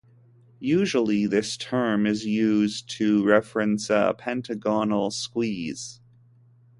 Usually this term is used to reference a pentagonal squeeze.